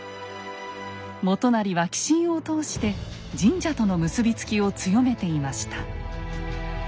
元就は寄進を通して神社との結び付きを強めていました。